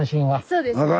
そうですね。